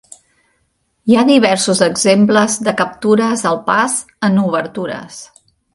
Hi ha diversos exemples de captures al pas en obertures.